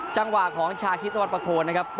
จังหว่าของชาฮิตรวรรภโคลนะครับ